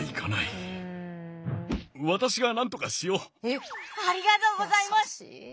ありがとうございます！